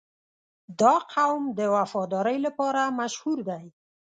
• دا قوم د وفادارۍ لپاره مشهور دی.